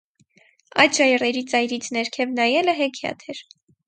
Այդ ժայռերի ծայրից ներքև նայելը հեքիաթ էր: